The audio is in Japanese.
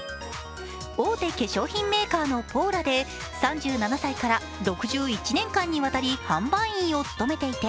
大手化粧品メーカーのポーラで３７歳から６１年間にわたり販売員を務めていて、